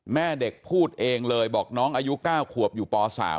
แม่เด็กพูดเองเลยบอกน้องอายุ๙ขวบอยู่ป๓